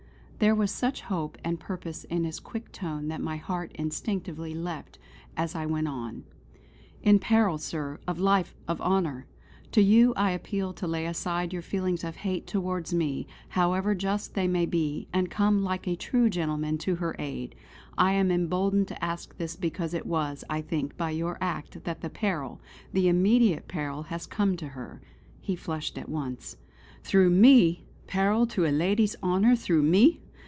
There was such hope and purpose in his quick tone that my heart instinctively leaped as I went on: "In peril, sir; of life; of honour. To you I appeal to lay aside your feelings of hate towards me, however just they may be; and come like a true gentleman to her aid. I am emboldened to ask this because it was, I think, by your act that the peril the immediate peril, has come to her." He flushed at once: "Through me! Peril to a lady's honour through me!